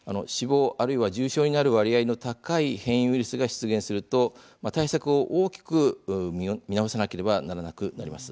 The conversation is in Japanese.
重症化する割合が高い変異ウイルスが出現すると対策を大きく見直さなければならなくなります。